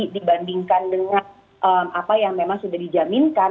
dibandingkan dengan apa yang memang sudah dijaminkan